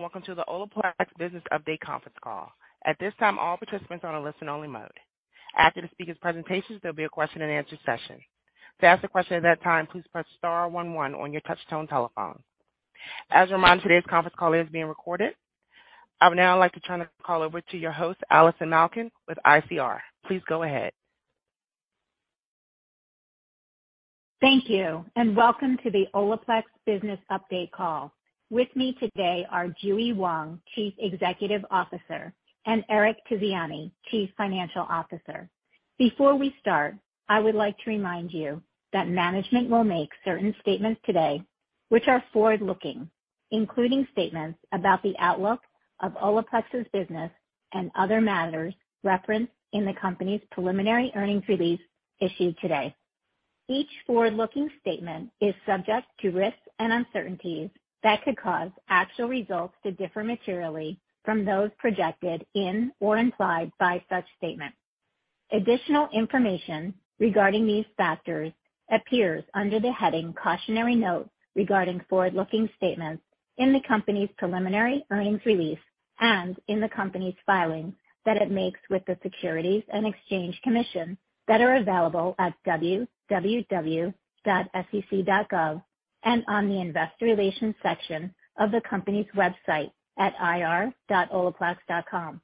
Welcome to the Olaplex Business Update Conference Call. At this time, all participants are on a listen only mode. After the speakers presentations, there'll be a question and answer session. To ask a question at that time, please press star one one on your touchtone telephone. As a reminder, today's conference call is being recorded. I would now like to turn the call over to your host, Allison Malkin with ICR. Please go ahead. Thank you, and welcome to the Olaplex Business Update Call. With me today are JuE Wong, Chief Executive Officer, and Eric Tiziani, Chief Financial Officer. Before we start, I would like to remind you that management will make certain statements today which are forward-looking, including statements about the outlook of Olaplex's business and other matters referenced in the company's preliminary earnings release issued today. Each forward-looking statement is subject to risks and uncertainties that could cause actual results to differ materially from those projected in or implied by such statements. Additional information regarding these factors appears under the heading Cautionary Note regarding forward-looking statements in the company's preliminary earnings release and in the company's filings that it makes with the Securities and Exchange Commission that are available at www.sec.gov and on the investor relations section of the company's website at ir.olaplex.com.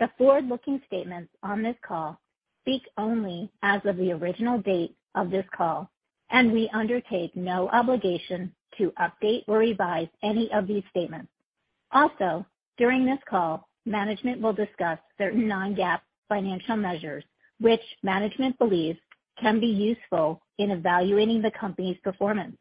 The forward-looking statements on this call speak only as of the original date of this call, and we undertake no obligation to update or revise any of these statements. Also, during this call, management will discuss certain non-GAAP financial measures which management believes can be useful in evaluating the company's performance.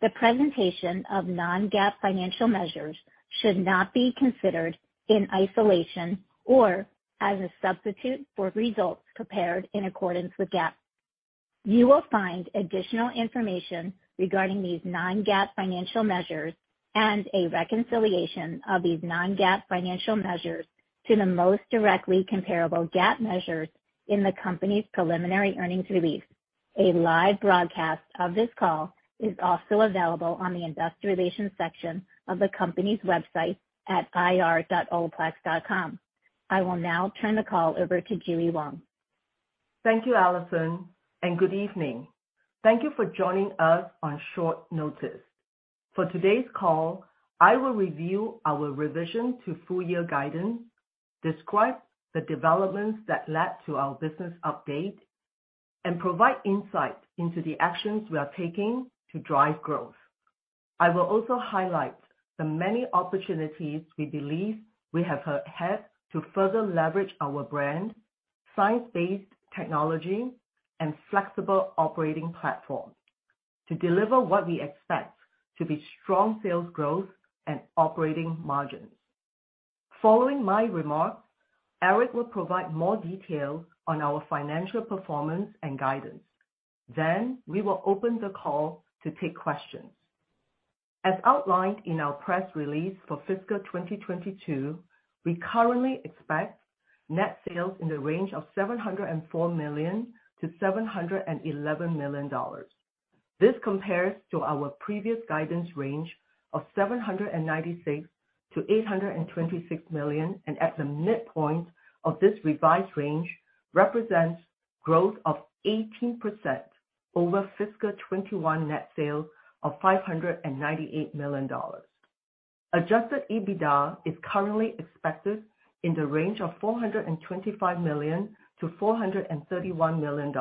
The presentation of non-GAAP financial measures should not be considered in isolation or as a substitute for results compared in accordance with GAAP. You will find additional information regarding these non-GAAP financial measures and a reconciliation of these non-GAAP financial measures to the most directly comparable GAAP measures in the company's preliminary earnings release. A live broadcast of this call is also available on the investor relations section of the company's website at ir.olaplex.com. I will now turn the call over to JuE Wong. Thank you, Allison, and good evening. Thank you for joining us on short notice. For today's call, I will review our revision to full year guidance, describe the developments that led to our business update, and provide insight into the actions we are taking to drive growth. I will also highlight the many opportunities we believe we have to further leverage our brand, science-based technology, and flexible operating platform to deliver what we expect to be strong sales growth and operating margins. Following my remarks, Eric will provide more detail on our financial performance and guidance. Then we will open the call to take questions. As outlined in our press release for fiscal 2022, we currently expect net sales in the range of $704 million-$711 million. This compares to our previous guidance range of $796 million-$826 million, and at the midpoint of this revised range represents growth of 18% over fiscal 2021 net sales of $598 million. Adjusted EBITDA is currently expected in the range of $425 million-$431 million.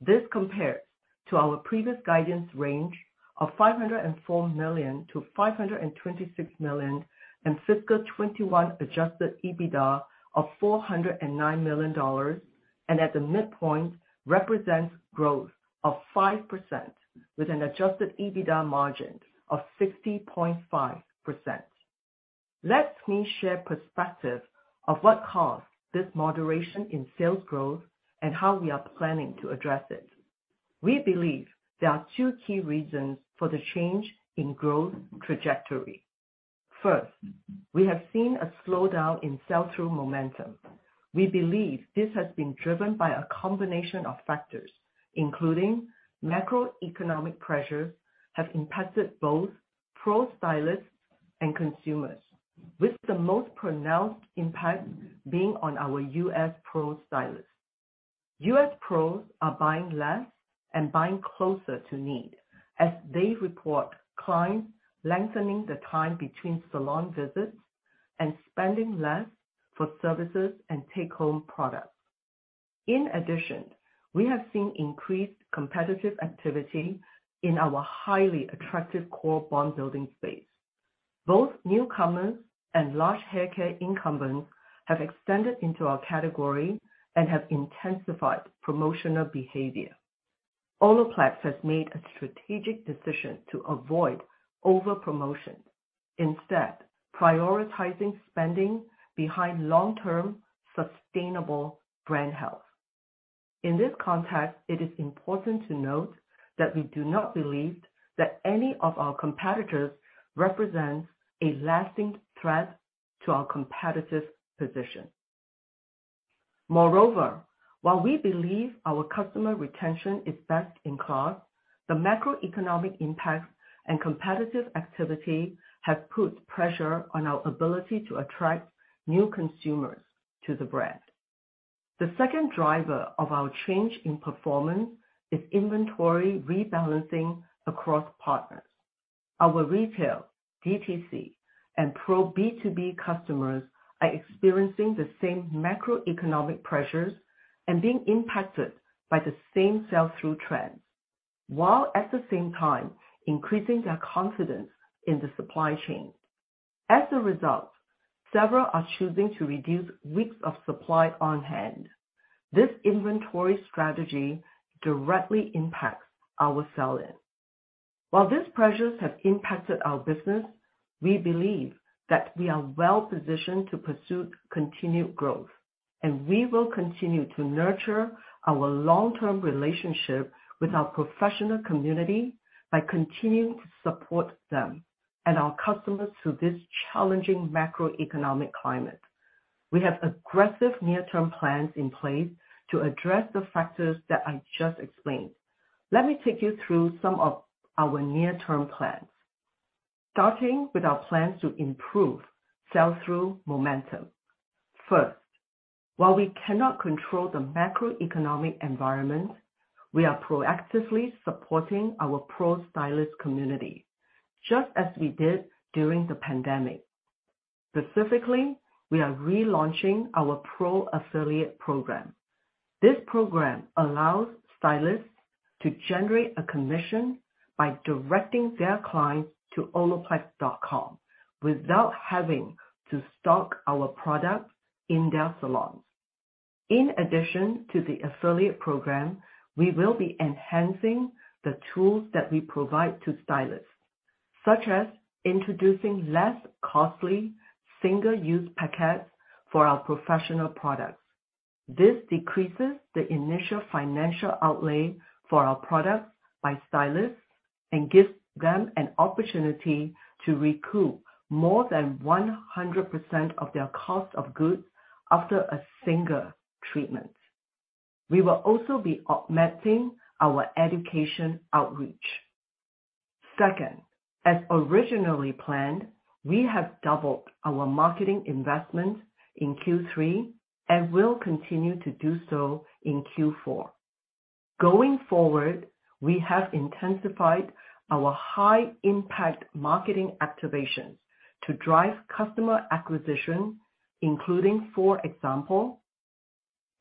This compares to our previous guidance range of $504 million-$526 million and fiscal 2021 adjusted EBITDA of $409 million, and at the midpoint represents growth of 5% with an adjusted EBITDA margin of 60.5%. Let me share perspective of what caused this moderation in sales growth and how we are planning to address it. We believe there are two key reasons for the change in growth trajectory. First, we have seen a slowdown in sell-through momentum. We believe this has been driven by a combination of factors, including macroeconomic pressures have impacted both pro stylists and consumers, with the most pronounced impact being on our U.S. pro stylists. U.S. pros are buying less and buying closer to need as they report clients lengthening the time between salon visits and spending less for services and take-home products. In addition, we have seen increased competitive activity in our highly attractive core bond building space. Both newcomers and large hair care incumbents have extended into our category and have intensified promotional behavior. Olaplex has made a strategic decision to avoid over-promotion, instead prioritizing spending behind long-term sustainable brand health. In this context, it is important to note that we do not believe that any of our competitors represents a lasting threat to our competitive position. Moreover, while we believe our customer retention is best in class, the macroeconomic impact and competitive activity have put pressure on our ability to attract new consumers to the brand. The second driver of our change in performance is inventory rebalancing across partners. Our retail, DTC, and pro B2B customers are experiencing the same macroeconomic pressures and being impacted by the same sell-through trends, while at the same time, increasing their confidence in the supply chain. As a result, several are choosing to reduce weeks of supply on hand. This inventory strategy directly impacts our sell-in. While these pressures have impacted our business, we believe that we are well-positioned to pursue continued growth, and we will continue to nurture our long-term relationship with our professional community by continuing to support them and our customers through this challenging macroeconomic climate. We have aggressive near-term plans in place to address the factors that I just explained. Let me take you through some of our near-term plans. Starting with our plans to improve sell-through momentum. First, while we cannot control the macroeconomic environment, we are proactively supporting our pro stylist community, just as we did during the pandemic. Specifically, we are relaunching our pro affiliate program. This program allows stylists to generate a commission by directing their clients to olaplex.com without having to stock our products in their salons. In addition to the affiliate program, we will be enhancing the tools that we provide to stylists, such as introducing less costly single-use packets for our professional products. This decreases the initial financial outlay for our products by stylists and gives them an opportunity to recoup more than 100% of their cost of goods after a single treatment. We will also be augmenting our education outreach. Second, as originally planned, we have doubled our marketing investment in Q3 and will continue to do so in Q4. Going forward, we have intensified our high-impact marketing activations to drive customer acquisition, including, for example,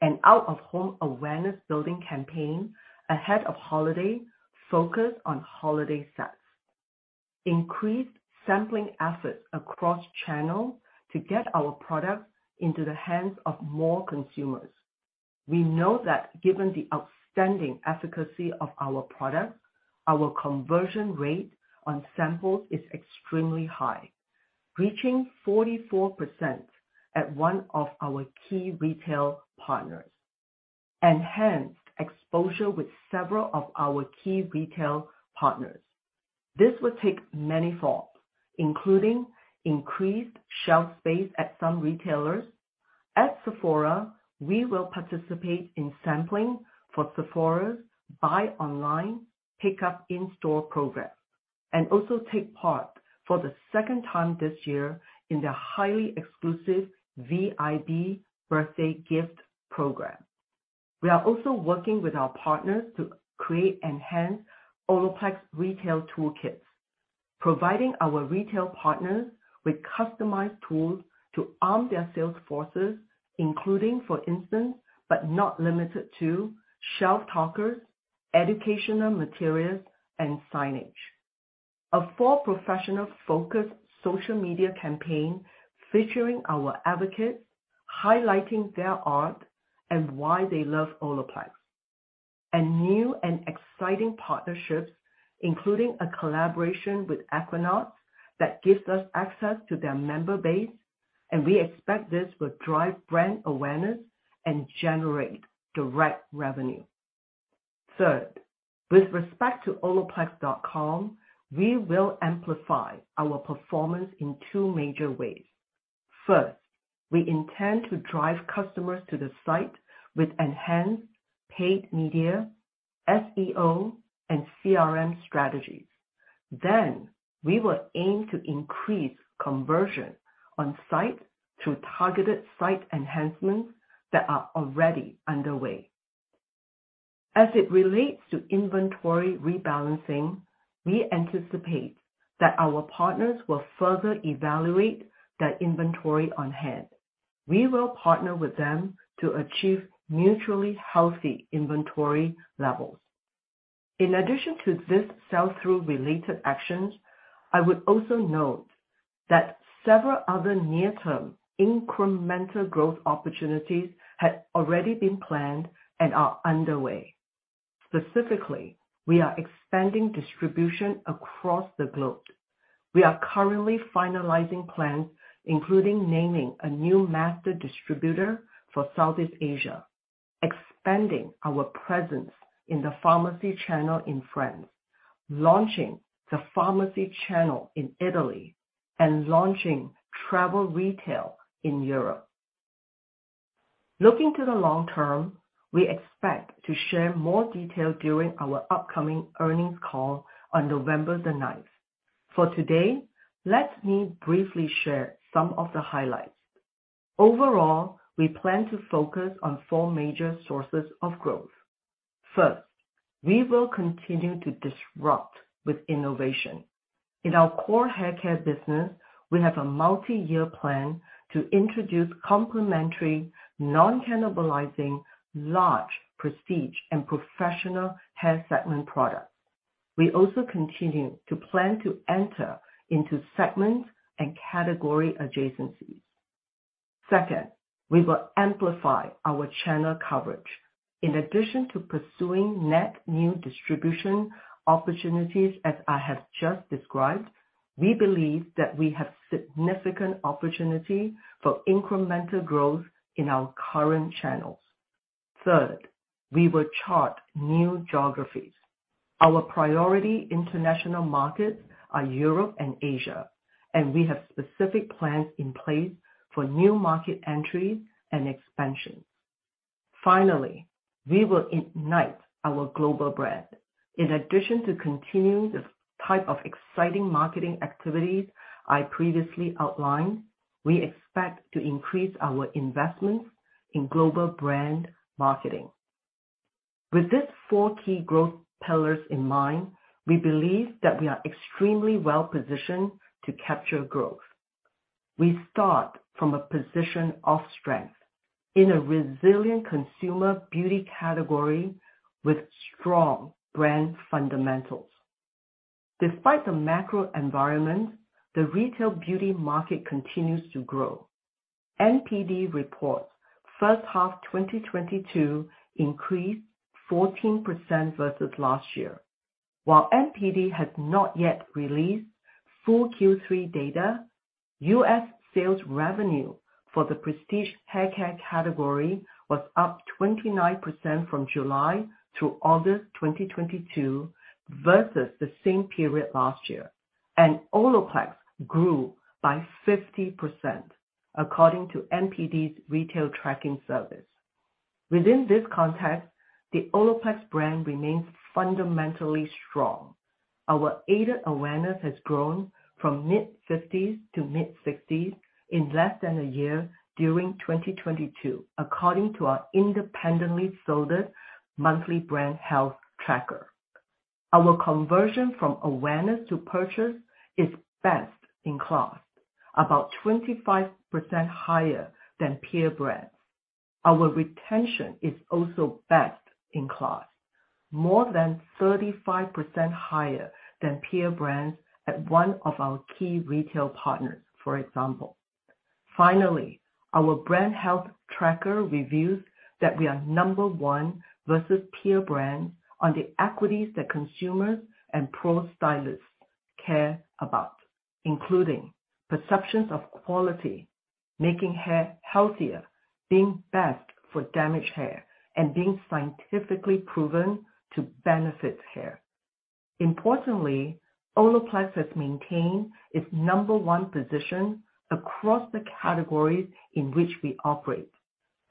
an out-of-home awareness building campaign ahead of holiday, focused on holiday sets. Increased sampling efforts across channels to get our products into the hands of more consumers. We know that given the outstanding efficacy of our products, our conversion rate on samples is extremely high, reaching 44% at one of our key retail partners. Enhanced exposure with several of our key retail partners. This will take many forms, including increased shelf space at some retailers. At Sephora, we will participate in sampling for Sephora's Buy Online, Pick Up in Store program, and also take part for the second time this year in their highly exclusive VIB birthday gift program. We are also working with our partners to create enhanced Olaplex retail toolkits, providing our retail partners with customized tools to arm their sales forces, including, for instance, but not limited to shelf talkers, educational materials, and signage. A full professional-focused social media campaign featuring our advocates, highlighting their art, and why they love Olaplex. New and exciting partnerships, including a collaboration with Equinox that gives us access to their member base, and we expect this will drive brand awareness and generate direct revenue. Third, with respect to olaplex.com, we will amplify our performance in two major ways. First, we intend to drive customers to the site with enhanced paid media, SEO, and CRM strategies. We will aim to increase conversion on-site through targeted site enhancements that are already underway. As it relates to inventory rebalancing, we anticipate that our partners will further evaluate their inventory on hand. We will partner with them to achieve mutually healthy inventory levels. In addition to these sell-through related actions, I would also note that several other near-term incremental growth opportunities have already been planned and are underway. Specifically, we are expanding distribution across the globe. We are currently finalizing plans, including naming a new master distributor for Southeast Asia. Expanding our presence in the pharmacy channel in France, launching the pharmacy channel in Italy, and launching travel retail in Europe. Looking to the long term, we expect to share more detail during our upcoming earnings call on November the ninth. For today, let me briefly share some of the highlights. Overall, we plan to focus on four major sources of growth. First, we will continue to disrupt with innovation. In our core haircare business, we have a multi-year plan to introduce complementary, non-cannibalizing, large prestige and professional hair segment products. We also continue to plan to enter into segments and category adjacencies. Second, we will amplify our channel coverage. In addition to pursuing net new distribution opportunities, as I have just described, we believe that we have significant opportunity for incremental growth in our current channels. Third, we will chart new geographies. Our priority international markets are Europe and Asia, and we have specific plans in place for new market entry and expansions. Finally, we will ignite our global brand. In addition to continuing the type of exciting marketing activities I previously outlined, we expect to increase our investments in global brand marketing. With these four key growth pillars in mind, we believe that we are extremely well-positioned to capture growth. We start from a position of strength in a resilient consumer beauty category with strong brand fundamentals. Despite the macro environment, the retail beauty market continues to grow. NPD reports first half 2022 increased 14% versus last year. While NPD has not yet released full Q3 data, US sales revenue for the prestige haircare category was up 29% from July to August 2022 versus the same period last year. Olaplex grew by 50% according to NPD's retail tracking service. Within this context, the Olaplex brand remains fundamentally strong. Our aided awareness has grown from mid-50s to mid-60s in less than a year during 2022, according to our independently sourced monthly brand health tracker. Our conversion from awareness to purchase is best in class, about 25% higher than peer brands. Our retention is also best in class, more than 35% higher than peer brands at one of our key retail partners, for example. Finally, our brand health tracker reveals that we are number one versus peer brands on the equities that consumers and pro stylists care about, including perceptions of quality, making hair healthier, being best for damaged hair, and being scientifically proven to benefit hair. Importantly, Olaplex has maintained its number one position across the categories in which we operate.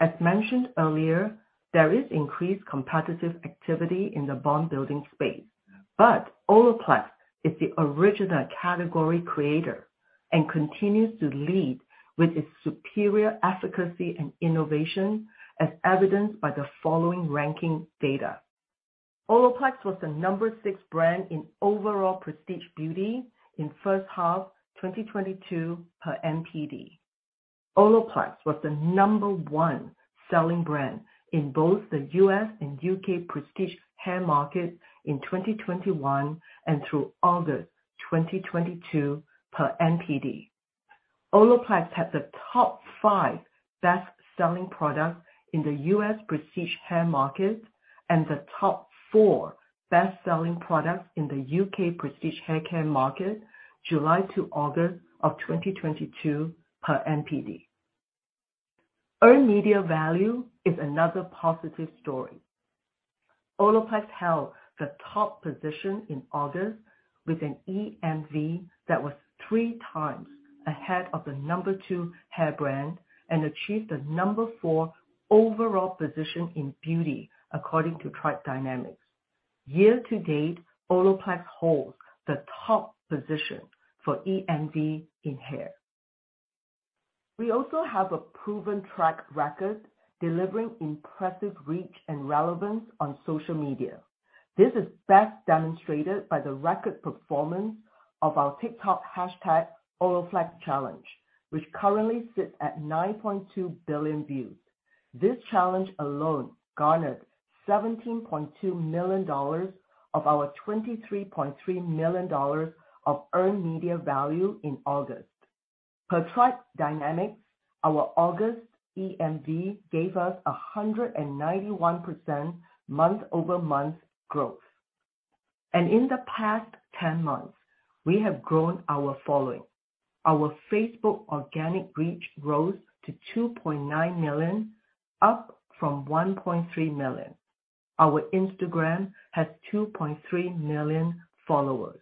As mentioned earlier, there is increased competitive activity in the bond building space, but Olaplex is the original category creator and continues to lead with its superior efficacy and innovation, as evidenced by the following ranking data. Olaplex was the number six brand in overall prestige beauty in first half 2022 per NPD. Olaplex was the number one selling brand in both the U.S. and U.K. prestige hair market in 2021 and through August 2022 per NPD. Olaplex had the top five best-selling products in the U.S. prestige hair market and the top four best-selling products in the U.K. prestige haircare market July to August of 2022 per NPD. Earned media value is another positive story. Olaplex held the top position in August with an EMV that was three times ahead of the number two hair brand and achieved the number four overall position in beauty, according to Tribe Dynamics. Year-to-date, Olaplex holds the top position for EMV in hair. We also have a proven track record delivering impressive reach and relevance on social media. This is best demonstrated by the record performance of our TikTok hashtag Olaplex Challenge, which currently sits at 9.2 billion views. This challenge alone garnered $17.2 million of our $23.3 million of earned media value in August. Per Tribe Dynamics, our August EMV gave us 191% month-over-month growth. In the past 10 months, we have grown our following. Our Facebook organic reach rose to 2.9 million, up from 1.3 million. Our Instagram has 2.3 million followers.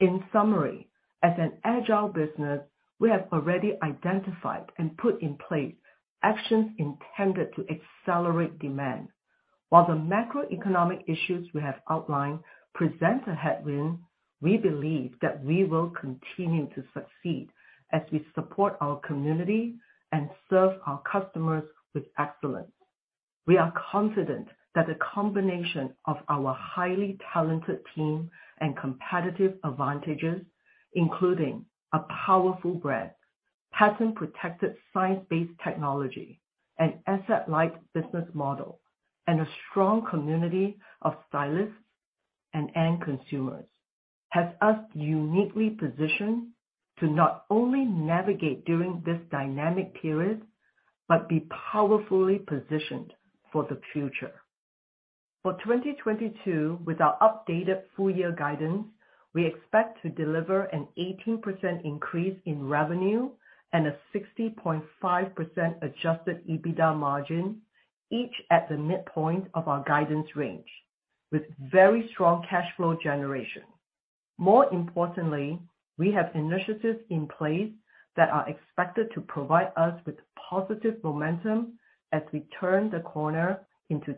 In summary, as an agile business, we have already identified and put in place actions intended to accelerate demand. While the macroeconomic issues we have outlined present a headwind, we believe that we will continue to succeed as we support our community and serve our customers with excellence. We are confident that the combination of our highly talented team and competitive advantages, including a powerful brand, patent-protected, science-based technology, an asset-light business model, and a strong community of stylists and end consumers, has us uniquely positioned to not only navigate during this dynamic period, but be powerfully positioned for the future. For 2022, with our updated full year guidance, we expect to deliver an 18% increase in revenue and a 60.5% Adjusted EBITDA margin, each at the midpoint of our guidance range, with very strong cash flow generation. More importantly, we have initiatives in place that are expected to provide us with positive momentum as we turn the corner into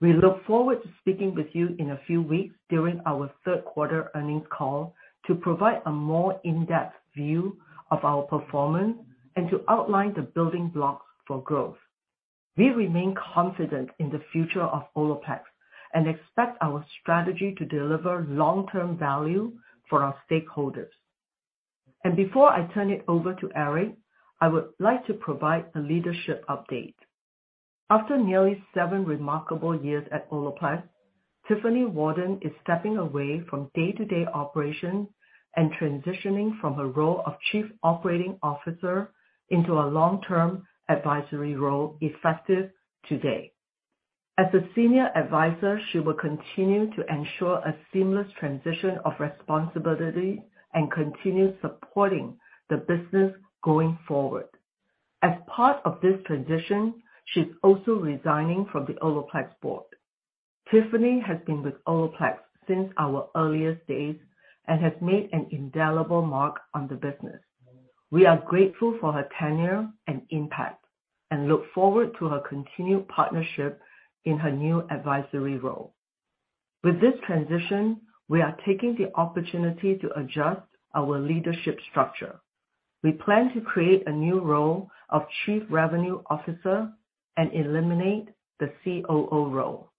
2023. We look forward to speaking with you in a few weeks during our third quarter earnings call to provide a more in-depth view of our performance and to outline the building blocks for growth. We remain confident in the future of Olaplex and expect our strategy to deliver long-term value for our stakeholders. Before I turn it over to Eric, I would like to provide a leadership update. After nearly seven remarkable years at Olaplex, Tiffany Walden is stepping away from day-to-day operations and transitioning from her role of Chief Operating Officer into a long-term advisory role effective today. As a Senior Advisor, she will continue to ensure a seamless transition of responsibility and continue supporting the business going forward. As part of this transition, she's also resigning from the Olaplex board. Tiffany has been with Olaplex since our earliest days and has made an indelible mark on the business. We are grateful for her tenure and impact and look forward to her continued partnership in her new advisory role. With this transition, we are taking the opportunity to adjust our leadership structure. We plan to create a new role of chief revenue officer and eliminate the COO role.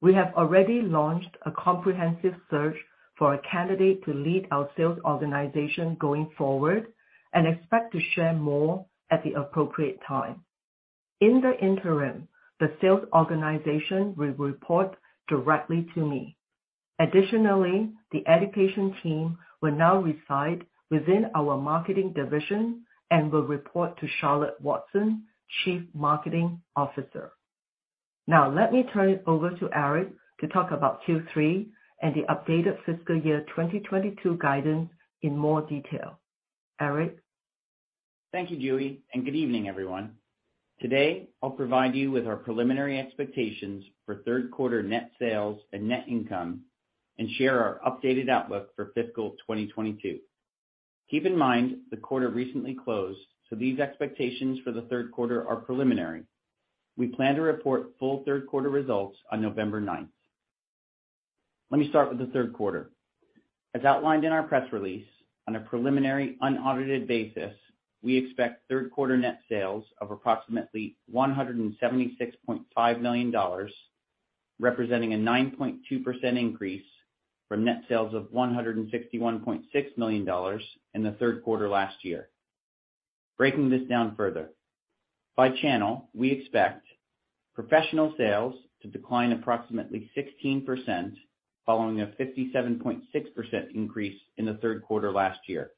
We have already launched a comprehensive search for a candidate to lead our sales organization going forward and expect to share more at the appropriate time. In the interim, the sales organization will report directly to me. Additionally, the education team will now reside within our marketing division and will report to Charlotte Watson, Chief Marketing Officer. Now let me turn it over to Eric to talk about Q3 and the updated fiscal year 2022 guidance in more detail. Eric? Thank you, JuE, and good evening, everyone. Today, I'll provide you with our preliminary expectations for third quarter net sales and net income and share our updated outlook for fiscal 2022. Keep in mind the quarter recently closed, so these expectations for the third quarter are preliminary. We plan to report full third quarter results on November ninth. Let me start with the third quarter. As outlined in our press release, on a preliminary unaudited basis, we expect third quarter net sales of approximately $176.5 million, representing a 9.2% increase from net sales of $161.6 million in the third quarter last year. Breaking this down further, by channel, we expect professional sales to decline approximately 16% following a 57.6% increase in the third quarter last year,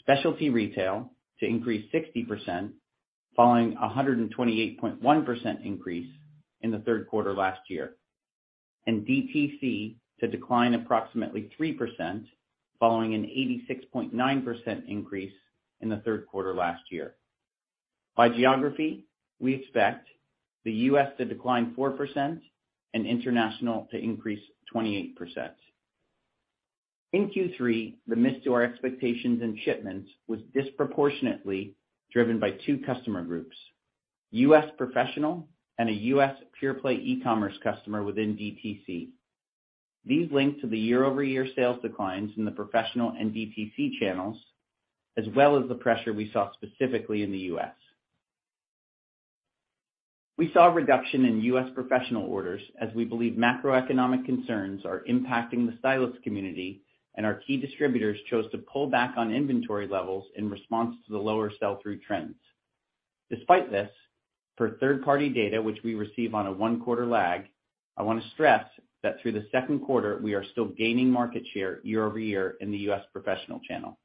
specialty retail to increase 60% following a 128.1% increase in the third quarter last year, and DTC to decline approximately 3% following an 86.9% increase in the third quarter last year. By geography, we expect the U.S. to decline 4% and international to increase 28%. In Q3, the miss to our expectations and shipments was disproportionately driven by two customer groups: U.S. professional and a U.S. pure-play e-commerce customer within DTC. These link to the year-over-year sales declines in the professional and DTC channels, as well as the pressure we saw specifically in the U.S. We saw a reduction in U.S. professional orders as we believe macroeconomic concerns are impacting the stylist community, and our key distributors chose to pull back on inventory levels in response to the lower sell-through trends. Despite this, per third-party data which we receive on a one-quarter lag, I wanna stress that through the second quarter, we are still gaining market share year-over-year in the U.S. professional channel.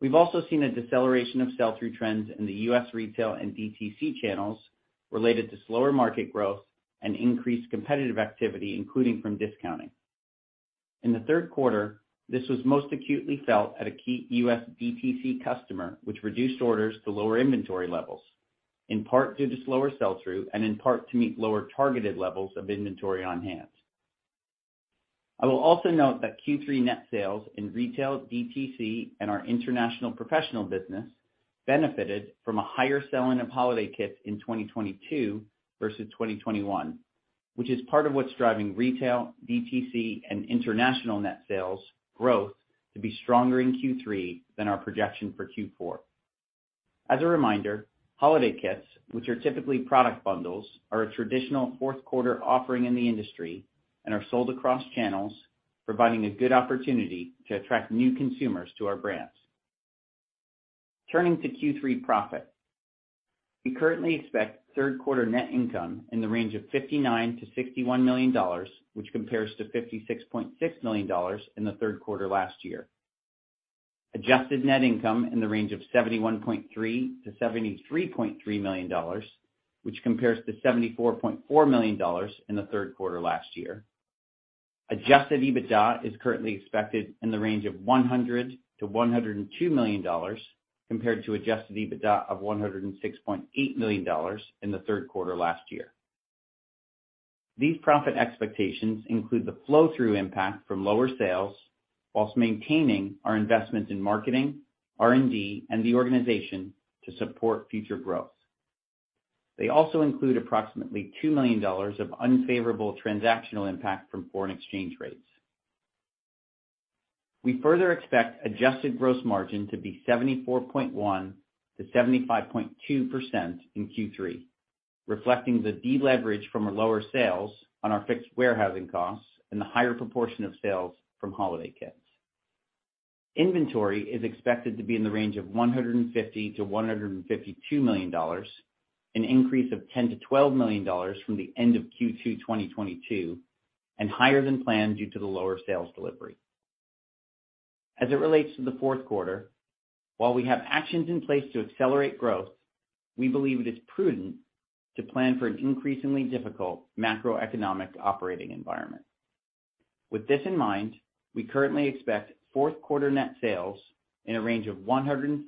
We've also seen a deceleration of sell-through trends in the U.S. retail and DTC channels related to slower market growth and increased competitive activity, including from discounting. In the third quarter, this was most acutely felt at a key U.S. DTC customer, which reduced orders to lower inventory levels, in part due to slower sell-through and in part to meet lower targeted levels of inventory on hand. I will also note that Q3 net sales in retail, DTC, and our international professional business benefited from a higher sell-in of holiday kits in 2022 versus 2021, which is part of what's driving retail, DTC, and international net sales growth to be stronger in Q3 than our projection for Q4. As a reminder, holiday kits, which are typically product bundles, are a traditional fourth quarter offering in the industry and are sold across channels, providing a good opportunity to attract new consumers to our brands. Turning to Q3 profit. We currently expect third quarter net income in the range of $59 million-$61 million, which compares to $56.6 million in the third quarter last year. Adjusted net income in the range of $71.3 million-$73.3 million, which compares to $74.4 million in the third quarter last year. Adjusted EBITDA is currently expected in the range of $100 million-$102 million compared to adjusted EBITDA of $106.8 million in the third quarter last year. These profit expectations include the flow-through impact from lower sales while maintaining our investments in marketing, R&D, and the organization to support future growth. They also include approximately $2 million of unfavorable transactional impact from foreign exchange rates. We further expect adjusted gross margin to be 74.1%-75.2% in Q3, reflecting the deleverage from our lower sales on our fixed warehousing costs and the higher proportion of sales from holiday kits. Inventory is expected to be in the range of $150 million-$152 million, an increase of $10 million-$12 million from the end of Q2 2022, and higher than planned due to the lower sales delivery. As it relates to the fourth quarter, while we have actions in place to accelerate growth, we believe it is prudent to plan for an increasingly difficult macroeconomic operating environment. With this in mind, we currently expect fourth quarter net sales in a range of $130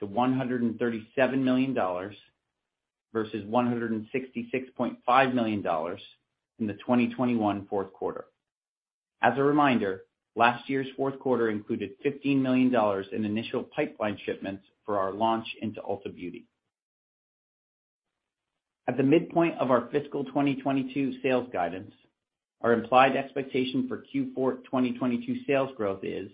million-$137 million versus $166.5 million in the 2021 fourth quarter. As a reminder, last year's fourth quarter included $15 million in initial pipeline shipments for our launch into Ulta Beauty. At the midpoint of our fiscal 2022 sales guidance, our implied expectation for Q4 2022 sales growth is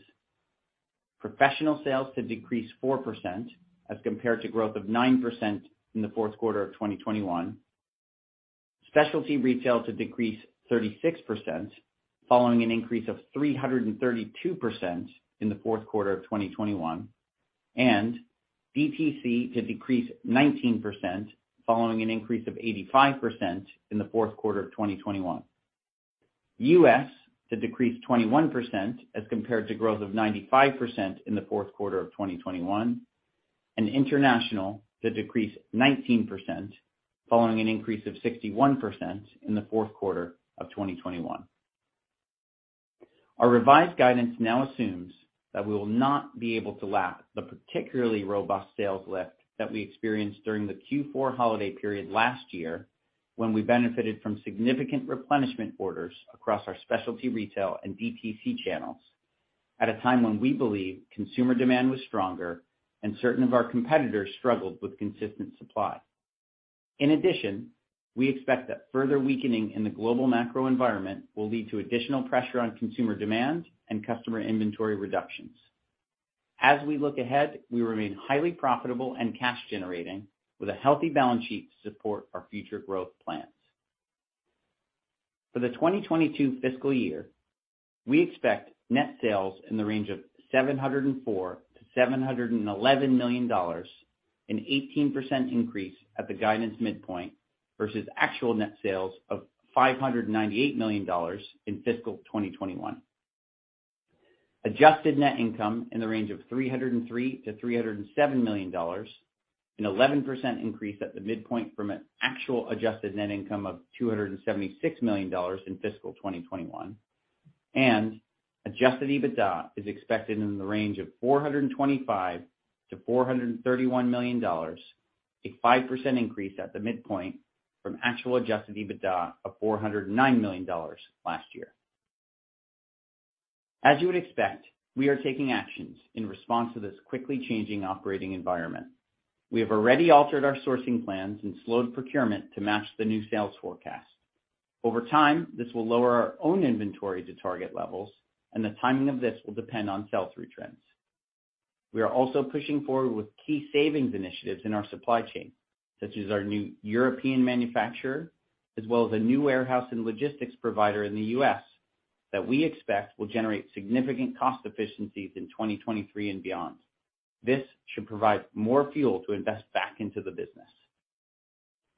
professional sales to decrease 4% as compared to growth of 9% in the fourth quarter of 2021, specialty retail to decrease 36% following an increase of 332% in the fourth quarter of 2021, and DTC to decrease 19% following an increase of 85% in the fourth quarter of 2021. U.S. to decrease 21% as compared to growth of 95% in the fourth quarter of 2021, and international to decrease 19% following an increase of 61% in the fourth quarter of 2021. Our revised guidance now assumes that we will not be able to lap the particularly robust sales lift that we experienced during the Q4 holiday period last year when we benefited from significant replenishment orders across our specialty retail and DTC channels at a time when we believe consumer demand was stronger and certain of our competitors struggled with consistent supply. In addition, we expect that further weakening in the global macro environment will lead to additional pressure on consumer demand and customer inventory reductions. As we look ahead, we remain highly profitable and cash generating with a healthy balance sheet to support our future growth plans. For the 2022 fiscal year, we expect net sales in the range of $704 million-$711 million, an 18% increase at the guidance midpoint, versus actual net sales of $598 million in fiscal 2021. Adjusted net income in the range of $303 million-$307 million, an 11% increase at the midpoint from an actual adjusted net income of $276 million in fiscal 2021. Adjusted EBITDA is expected in the range of $425 million-$431 million, a 5% increase at the midpoint from actual adjusted EBITDA of $409 million last year. As you would expect, we are taking actions in response to this quickly changing operating environment. We have already altered our sourcing plans and slowed procurement to match the new sales forecast. Over time, this will lower our own inventory to target levels, and the timing of this will depend on sell-through trends. We are also pushing forward with key savings initiatives in our supply chain, such as our new European manufacturer, as well as a new warehouse and logistics provider in the U.S. that we expect will generate significant cost efficiencies in 2023 and beyond. This should provide more fuel to invest back into the business.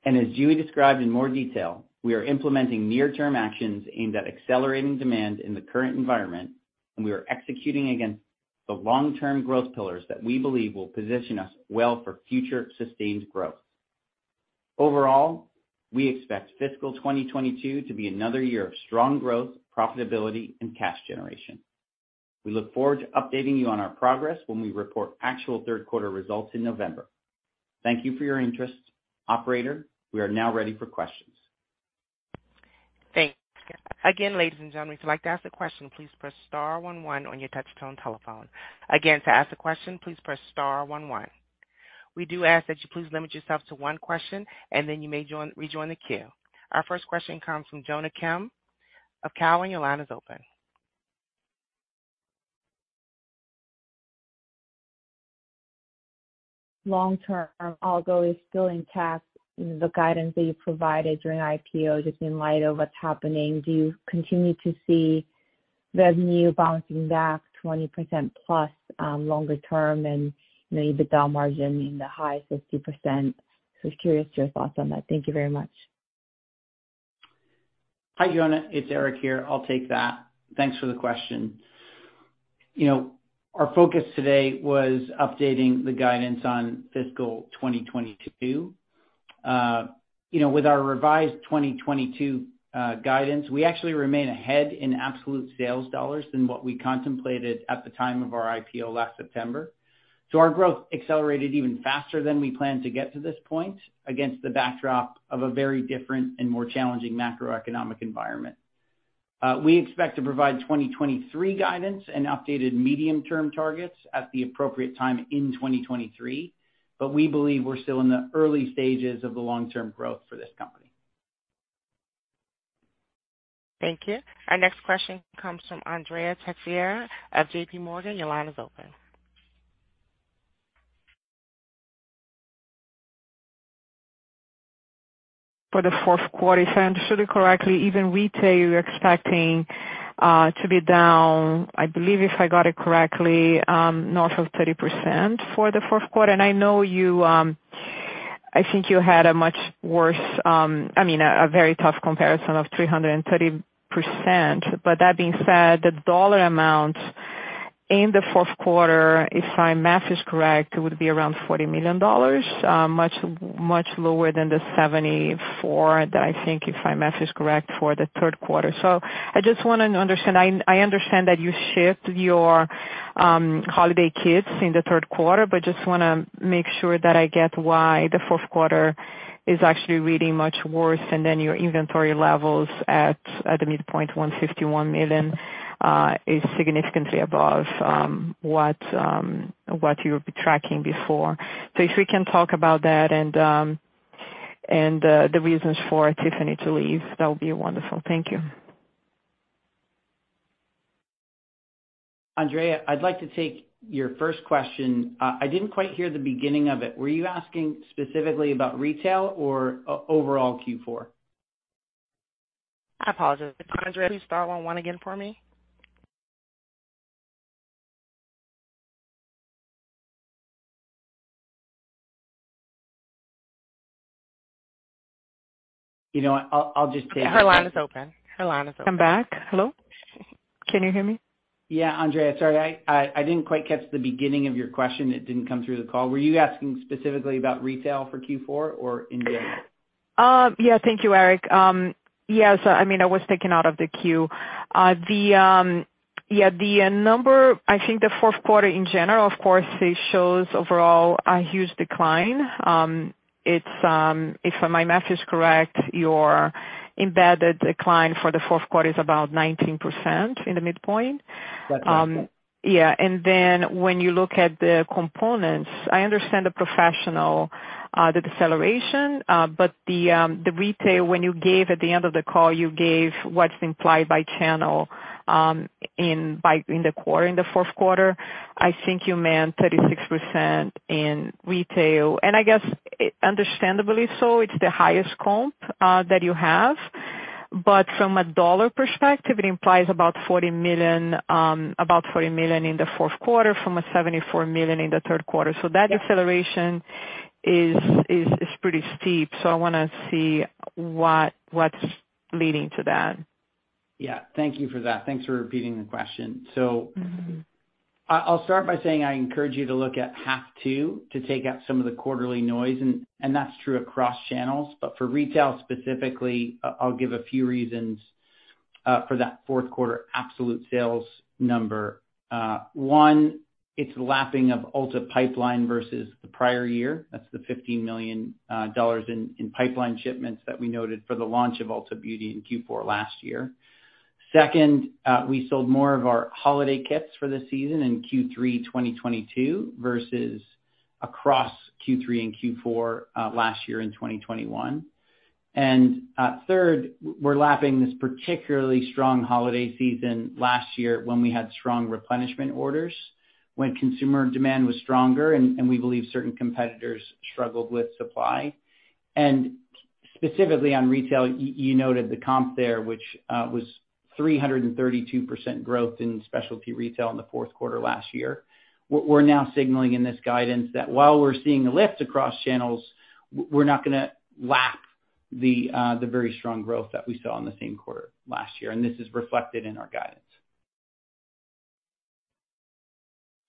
As Julie described in more detail, we are implementing near-term actions aimed at accelerating demand in the current environment, and we are executing against the long-term growth pillars that we believe will position us well for future sustained growth. Overall, we expect fiscal 2022 to be another year of strong growth, profitability, and cash generation. We look forward to updating you on our progress when we report actual third quarter results in November. Thank you for your interest. Operator, we are now ready for questions. Thanks. Again, ladies and gentlemen, if you'd like to ask a question, please press star one one on your touchtone telephone. Again, to ask a question, please press star one one. We do ask that you please limit yourself to one question, and then you may rejoin the queue. Our first question comes from Jonna Kim of Cowen. Your line is open. Long term, although it's still intact, the guidance that you provided during IPO, just in light of what's happening, do you continue to see revenue bouncing back 20% plus longer term and, you know, EBITDA margin in the high 50%? Just curious your thoughts on that. Thank you very much. Hi, Jonna. It's Eric here. I'll take that. Thanks for the question. You know, our focus today was updating the guidance on fiscal 2022. You know, with our revised 2022 guidance, we actually remain ahead in absolute sales dollars than what we contemplated at the time of our IPO last September. Our growth accelerated even faster than we planned to get to this point against the backdrop of a very different and more challenging macroeconomic environment. We expect to provide 2023 guidance and updated medium-term targets at the appropriate time in 2023, but we believe we're still in the early stages of the long-term growth for this company. Thank you. Our next question comes from Andrea Teixeira of JPMorgan. Your line is open. For the fourth quarter, if I understood it correctly, even retail, you're expecting to be down, I believe if I got it correctly, north of 30% for the fourth quarter. I know you, I think you had a much worse, I mean, a very tough comparison of 330%. That being said, the dollar amount in the fourth quarter, if my math is correct, it would be around $40 million, much, much lower than the 74 that I think, if my math is correct, for the third quarter. I just wanna understand. I understand that you shipped your holiday kits in the third quarter, but just wanna make sure that I get why the fourth quarter is actually reading much worse, and then your inventory levels at the midpoint, $151 million, is significantly above what you were tracking before. If we can talk about that and the reasons for Tiffany to leave, that would be wonderful. Thank you. Andrea, I'd like to take your first question. I didn't quite hear the beginning of it. Were you asking specifically about retail or overall Q4? I apologize. Andrea, please dial one one again for me. You know what? I'll just take- Her line is open. I'm back. Hello? Can you hear me? Yeah. Andrea, sorry I didn't quite catch the beginning of your question. It didn't come through the call. Were you asking specifically about retail for Q4 or in general? Yeah, thank you, Eric. Yes. I mean, I was taken out of the queue. I think the fourth quarter in general, of course, it shows overall a huge decline. It's if my math is correct, your embedded decline for the fourth quarter is about 19% in the midpoint. That's right. Yeah, when you look at the components, I understand the professional deceleration, but the retail, when you gave at the end of the call, you gave what's implied by channel in the fourth quarter. I think you meant 36% in retail. I guess understandably so, it's the highest comp that you have. From a dollar perspective, it implies about $40 million in the fourth quarter from $74 million in the third quarter. Yes. That deceleration is pretty steep. I wanna see what's leading to that. Yeah. Thank you for that. Thanks for repeating the question. I'll start by saying I encourage you to look at H2 to take out some of the quarterly noise, and that's true across channels. But for retail specifically, I'll give a few reasons for that fourth quarter absolute sales number. One, it's lapping of Ulta pipeline versus the prior year. That's the $15 million in pipeline shipments that we noted for the launch of Ulta Beauty in Q4 last year. Second, we sold more of our holiday kits for the season in Q3 2022 versus across Q3 and Q4 last year in 2021. Third, we're lapping this particularly strong holiday season last year when we had strong replenishment orders, when consumer demand was stronger and we believe certain competitors struggled with supply. Specifically on retail, you noted the comp there, which was 332% growth in specialty retail in the fourth quarter last year. We're now signaling in this guidance that while we're seeing a lift across channels, we're not gonna lap the very strong growth that we saw in the same quarter last year, and this is reflected in our guidance.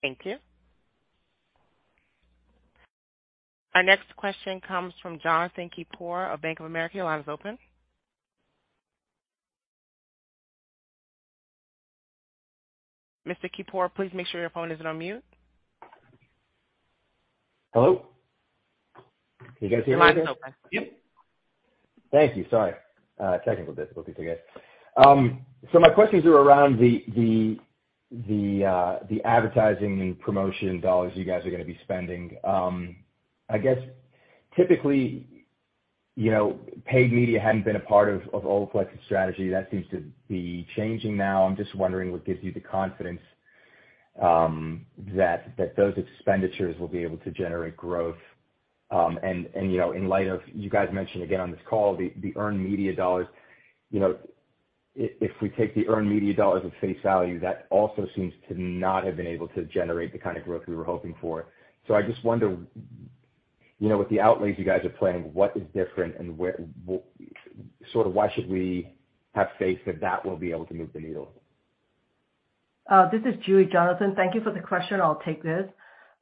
Thank you. Our next question comes from Jonathan Keypour of Bank of America. Your line is open. Mr. Keypour, please make sure your phone isn't on mute. Hello. Can you guys hear me okay? Your line is open, yep. Thank you. Sorry, technical difficulties, I guess. My questions are around the advertising and promotion dollars you guys are gonna be spending. I guess, typically, you know, paid media hadn't been a part of Olaplex's strategy. That seems to be changing now. I'm just wondering what gives you the confidence that those expenditures will be able to generate growth. You know, in light of you guys mentioning again on this call the earned media dollars, you know, if we take the earned media dollars at face value, that also seems to not have been able to generate the kind of growth we were hoping for. I just wonder, you know, with the outlays you guys are planning, what is different and where. Sort of why should we have faith that that will be able to move the needle? This is JuE Wong, Jonathan Keypour. Thank you for the question. I'll take this.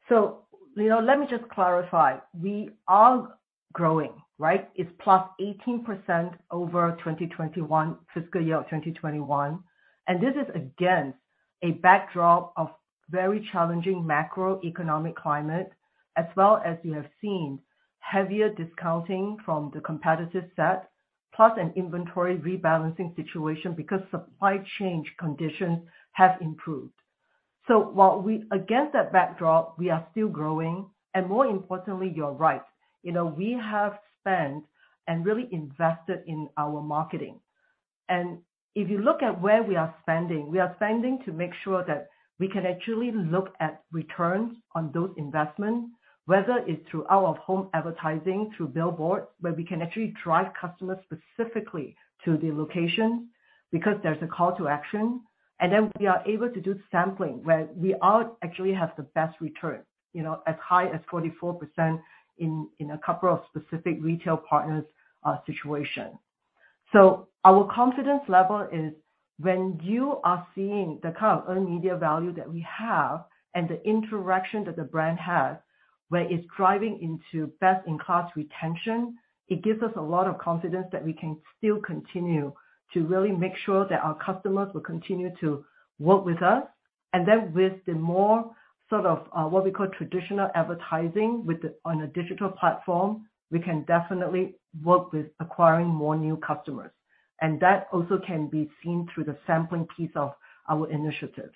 You know, let me just clarify. We are growing, right? It's +18% over 2021, fiscal year of 2021, and this is against a backdrop of very challenging macroeconomic climate. As well as you have seen heavier discounting from the competitive set, plus an inventory rebalancing situation because supply chain conditions have improved. While we, against that backdrop, are still growing, and more importantly, you're right. You know, we have spent and really invested in our marketing. If you look at where we are spending, we are spending to make sure that we can actually look at returns on those investments, whether it's through out-of-home advertising, through billboard, where we can actually drive customers specifically to the location because there's a call to action. We are able to do sampling, where we are actually have the best return, you know, as high as 44% in a couple of specific retail partners situation. Our confidence level is when you are seeing the kind of earned media value that we have and the interaction that the brand has, where it's driving into best-in-class retention, it gives us a lot of confidence that we can still continue to really make sure that our customers will continue to work with us. With the more sort of, what we call traditional advertising on a digital platform, we can definitely work with acquiring more new customers. That also can be seen through the sampling piece of our initiatives.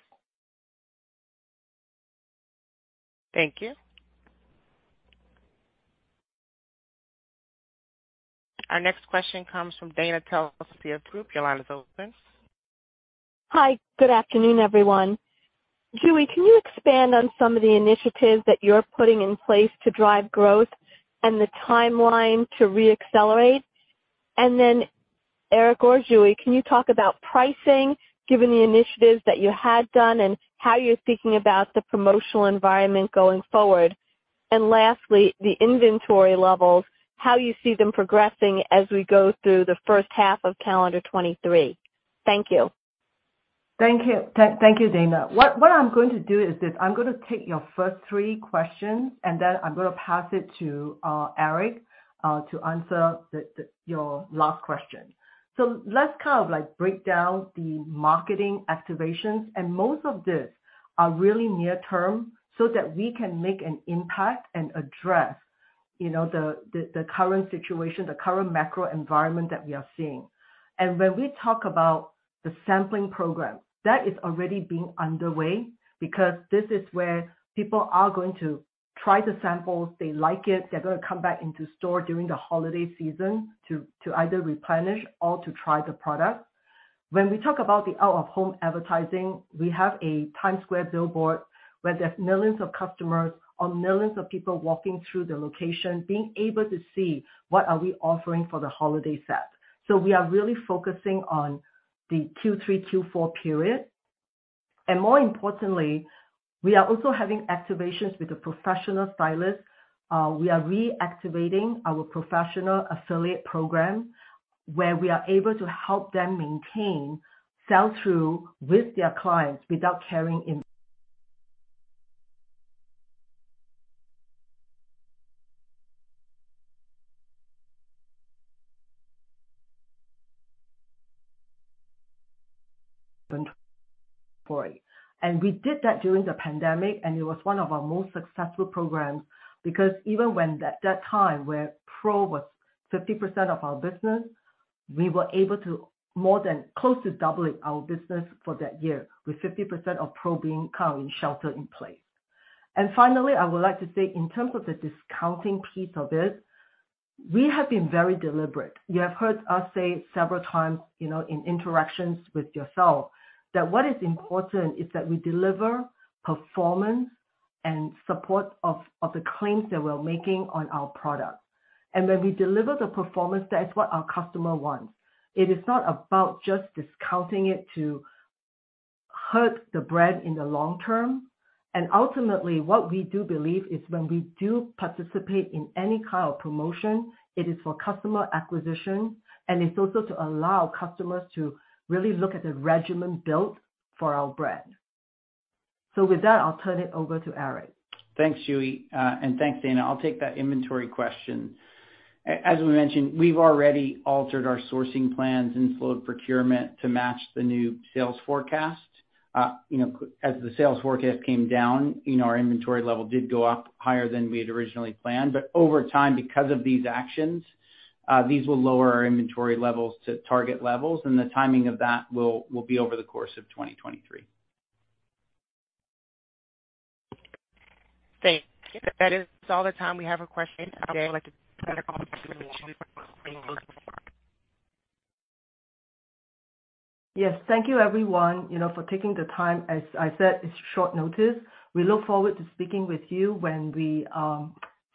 Thank you. Our next question comes from Dana Telsey of Telsey Advisory Group. Your line is open. Hi. Good afternoon, everyone. Julie, can you expand on some of the initiatives that you're putting in place to drive growth and the timeline to reaccelerate? Eric or Julie, can you talk about pricing given the initiatives that you had done and how you're thinking about the promotional environment going forward? Lastly, the inventory levels, how you see them progressing as we go through the first half of calendar 2023. Thank you. Thank you, Dana. What I'm going to do is this, I'm gonna take your first three questions, and then I'm gonna pass it to Eric to answer your last question. Let's kind of like break down the marketing activations, and most of these are really near term so that we can make an impact and address, you know, the current situation, the current macro environment that we are seeing. When we talk about the sampling program, that is already being underway because this is where people are going to try the samples. They like it, they're gonna come back into store during the holiday season to either replenish or to try the product. When we talk about the out-of-home advertising, we have a Times Square billboard where there's millions of customers or millions of people walking through the location, being able to see what are we offering for the holiday set. We are really focusing on the Q3, Q4 period. More importantly, we are also having activations with the professional stylist. We are reactivating our professional affiliate program, where we are able to help them maintain sell-through with their clients without carrying in inventory. We did that during the pandemic, and it was one of our most successful programs. Because even when at that time, where pro was 50% of our business, we were able to more than close to double our business for that year, with 50% of pro being kind of in shelter in place. Finally, I would like to say in terms of the discounting piece of it, we have been very deliberate. You have heard us say several times, you know, in interactions with yourself, that what is important is that we deliver performance and support of the claims that we're making on our product. When we deliver the performance, that's what our customer wants. It is not about just discounting it to hurt the brand in the long term. Ultimately, what we do believe is when we do participate in any kind of promotion, it is for customer acquisition, and it's also to allow customers to really look at the regimen built for our brand. With that, I'll turn it over to Eric. Thanks, Julie, and thanks, Dana. I'll take that inventory question. As we mentioned, we've already altered our sourcing plans and flow of procurement to match the new sales forecast. You know, as the sales forecast came down, you know, our inventory level did go up higher than we had originally planned. Over time, because of these actions, these will lower our inventory levels to target levels, and the timing of that will be over the course of 2023. Thank you. That is all the time we have for questions. I would like to. Yes. Thank you everyone, you know, for taking the time. As I said, it's short notice. We look forward to speaking with you when we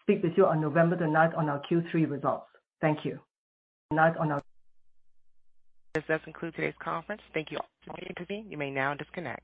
speak with you on November the ninth on our Q3 results. Thank you. This does conclude today's conference. Thank you all for participating. You may now disconnect.